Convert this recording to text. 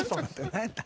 何やった？